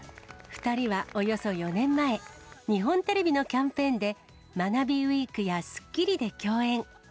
２人はおよそ４年前、日本テレビのキャンペーンで、まなびウィークやスッキリで共演。